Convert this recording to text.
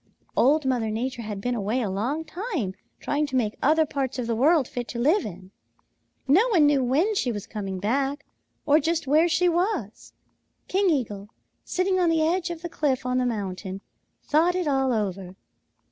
"Old Mother Nature had been away a long time trying to make other parts of the world fit to live in. No one knew when she was coming back or just where she was. King Eagle, sitting on the edge of the cliff on the mountain, thought it all over.